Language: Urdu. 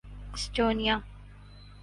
اسٹونیا